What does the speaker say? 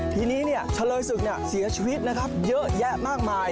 ทีนี้เฉลยศึกเสียชีวิตนะครับเยอะแยะมากมาย